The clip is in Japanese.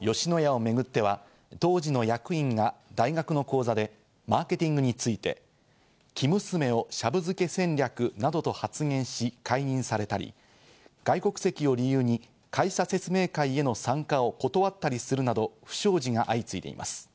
吉野家をめぐっては当時の役員が大学の講座でマーケティングについて、生娘をシャブ漬け戦略などと発言し解任されたり、外国籍を理由に会社説明会への参加を断ったりするなど不祥事が相次いでいます。